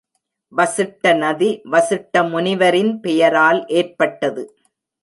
வசிட்ட நதி, வசிட்ட முனிவரின் பெயரால் ஏற்பட்டது.